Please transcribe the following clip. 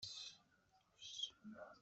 Ur ttennidet ara ɣef ṣṣuṛ.